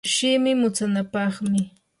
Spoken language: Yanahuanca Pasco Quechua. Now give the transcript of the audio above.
shimi mutsanapaqmi.